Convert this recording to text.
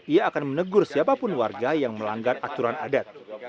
ia akan menegur siapapun warga yang melanggar aturan adat